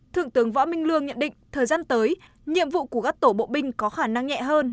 thượng tướng võ minh lương nhận định thời gian tới nhiệm vụ của các tổ bộ binh có khả năng nhẹ hơn